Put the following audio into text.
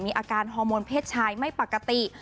อาการฮอร์โมนเพศชายไม่ปกติ